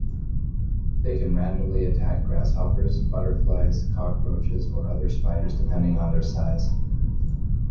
They can randomly attack grasshoppers, butterflies, cockroaches or other spiders depending on their size.